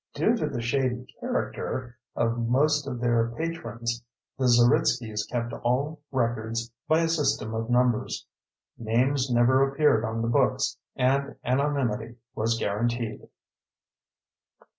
Due to the shady character of most of their patrons, the Zeritskys kept all records by a system of numbers. Names never appeared on the books, and anonymity was guaranteed.